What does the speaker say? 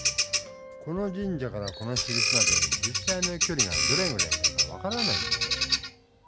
この神社からこのしるしまで実さいのきょりがどれぐらいだか分からないんだよ。